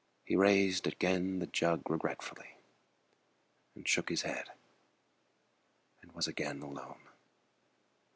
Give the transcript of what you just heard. He raised again the jug regretfully And shook his head, and was again alone.